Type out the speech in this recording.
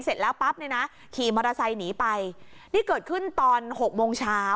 เสร็จแล้วปั๊บเนี่ยนะขี่มอเตอร์ไซค์หนีไปนี่เกิดขึ้นตอนหกโมงเช้า